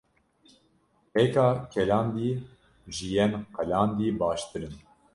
Hêka kelandî ji yên qelandî baştir in.